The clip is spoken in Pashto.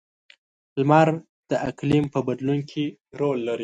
• لمر د اقلیم په بدلون کې رول لري.